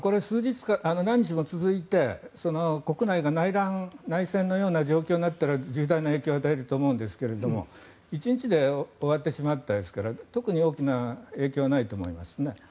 何日も続いて国内が内戦のような状況になったら重大な影響を与えると思うんですが１日で終わってしまったので特に大きな影響はないと思いますね。